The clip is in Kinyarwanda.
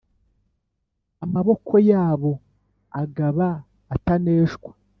Amaboko yabo agaba ataneshwa